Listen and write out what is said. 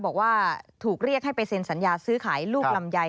บอกว่าถูกเรียกให้ไปเซ็นสัญญาซื้อขายลูกลำไย